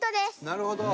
なるほど。